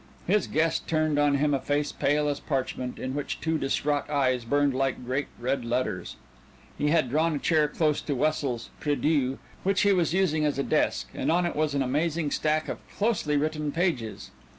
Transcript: His guest turned on him a face pale as parchment in which two distraught eyes burned like great red letters. He had drawn a chair close to Wessel's prie dieu which he was using as a desk; and on it was an amazing stack of closely written pages.